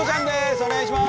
お願いします！